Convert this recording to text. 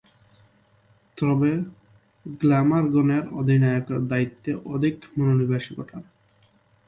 তবে, গ্ল্যামারগনের অধিনায়কের দায়িত্বে অধিক মনোনিবেশ ঘটান।